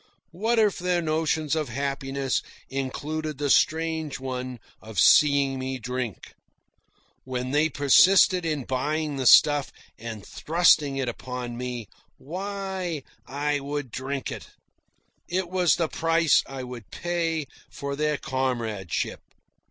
What if their notions of happiness included the strange one of seeing me drink? When they persisted in buying the stuff and thrusting it upon me, why, I would drink it. It was the price I would pay for their comradeship.